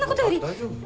大丈夫？